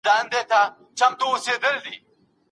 مثبتي خاطرې انسان ته انرژی ورکوي.